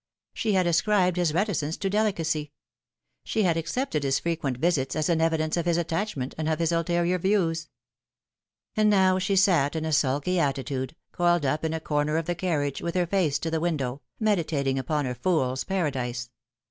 She had ascribed his reticence to delicacy. She had accepted his frequent visits as an evidence of his attachment and of his ulterior views. And now she sat in a sulky attitude, coiled up in a corner of the carriage, with her face to the window, meditating upon her fool's paradise.